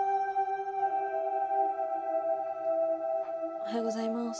おはようございます。